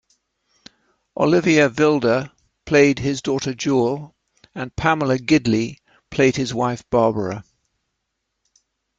Olivia Wilde played his daughter Jewel and Pamela Gidley played his wife Barbara.